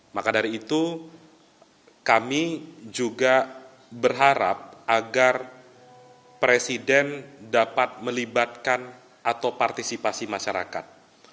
maka dari itu kami juga berharap agar presiden dapat melibatkan atau partisipasi masyarakat